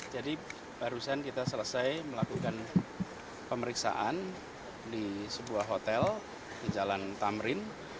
jadi barusan kita selesai melakukan pemeriksaan di sebuah hotel di jalan tamrin